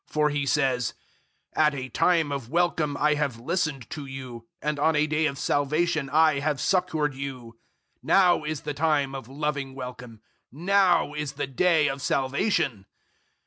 006:002 For He says, "At a time of welcome I have listened to you, and on a day of salvation I have succoured you." Now is the time of loving welcome! Now is the day of salvation!